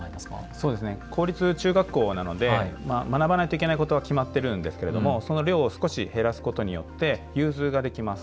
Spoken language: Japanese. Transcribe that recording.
そうですね公立中学校なので学ばないといけないことは決まってるんですけれどもその量を少し減らすことによって融通ができます。